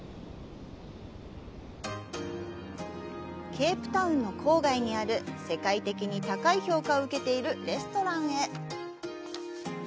ケープタウンの郊外にある世界的に高い評価を受けているレストランへ。